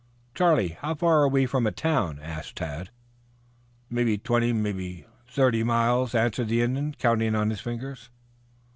"Charlie, how far are we from a town?" asked Tad. "Mebby twenty, mebby thirty miles," answered the Indian, counting up on his fingers.